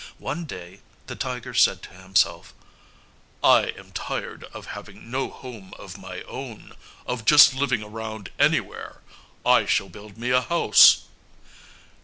One day the tiger said to himself, "I am tired of having no home of my own, of just living around anywhere! I shall build me a house."